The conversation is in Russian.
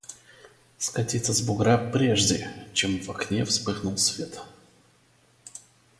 скатиться с бугра, прежде чем в окне вспыхнул свет.